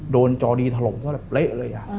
โดนจอดีถลบแบบเละเลยอะ